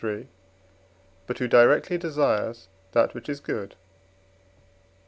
but who directly desires that which is good (IV.